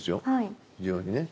非常にね。